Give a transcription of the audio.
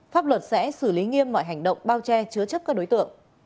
pháp luật sẽ xử lý nghiêm mọi hành động bao che chứa chấp các đối tượng